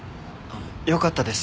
よかったです